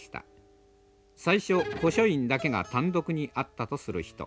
最初古書院だけが単独にあったとする人。